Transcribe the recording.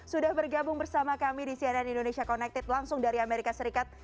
sudah bergabung bersama kami di cnn indonesia connected langsung dari amerika serikat